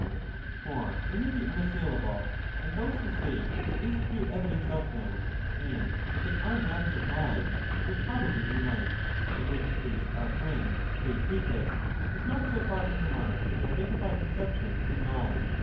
And very likely I have been talking nonsense about them ; for they may be unassailable, and those who say that there is clear evidence of them, aild that they are matters of knowledge, may probably be right ; in which case our friend Theaetetus was not so far from the mark when he identified perception and knowledge.